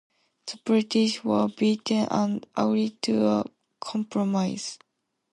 The British were beaten and agreed to a compromise.